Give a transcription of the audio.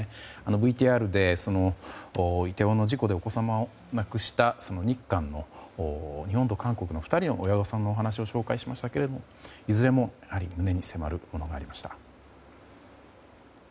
ＶＴＲでイテウォンの事故でお子様を亡くした日本と韓国の２人の親御さんのお話をご紹介しましたがいずれも胸に迫るものがありました。